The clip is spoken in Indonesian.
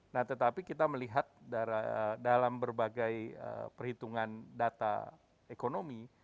nah tetapi kita melihat dalam berbagai perhitungan data ekonomi